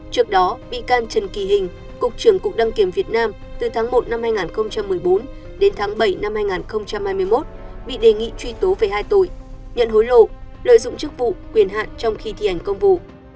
trước đó bị can trần kỳ hình cục trưởng cục đăng kiểm việt nam từ tháng một năm hai nghìn một mươi bốn đến tháng bảy năm hai nghìn hai mươi một bị đề nghị truy tố về hai tội nhận hối lộ lợi dụng chức vụ quyền hạn trong khi thi hành công vụ